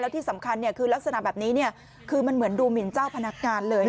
ที่สำคัญคือลักษณะแบบนี้คือมันเหมือนดูหมินเจ้าพนักงานเลย